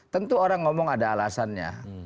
tentu orang ngomong ada alasannya